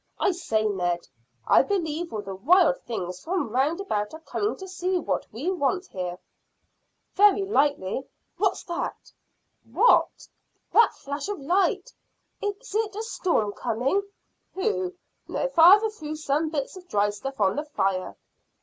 I say, Ned, I believe all the wild things from round about are coming to see what we want here." "Very likely. What's that?" "What?" "That flash of light. Is it a storm coming?" "Pooh! No. Father threw some bits of dry stuff on the fire."